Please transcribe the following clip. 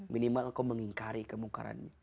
minimal engkau mengingkari kemungkaran